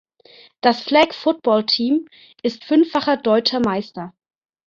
Das Flag Football Team ist fünffacher deutscher Meister.